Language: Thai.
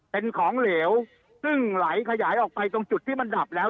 เป็นของเหลวซึ่งไหลขยายออกไปตรงจุดที่มันดับแล้ว